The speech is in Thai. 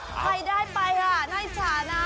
ใครได้ไปอ่ะน่าอิจฉานะ